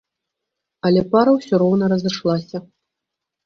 Але пара ўсё роўна разышлася.